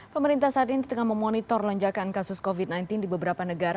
pemerintah saat ini tengah memonitor lonjakan kasus covid sembilan belas di beberapa negara